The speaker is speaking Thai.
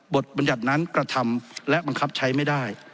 บัญญัตินั้นกระทำและบังคับใช้ไม่ได้